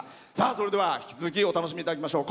それでは引き続きお楽しみいただきましょう。